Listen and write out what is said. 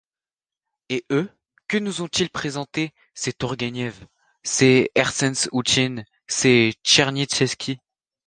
Et eux, que nous ont-ils présenté ces Tourgueniev, ces Herzences Outine, ces Tchernychevski?